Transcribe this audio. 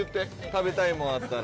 食べたいもんあったら。